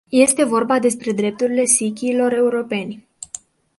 Este vorba despre drepturile sikhilor europeni.